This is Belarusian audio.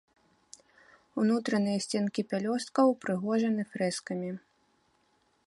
Унутраныя сценкі пялёсткаў ўпрыгожаны фрэскамі.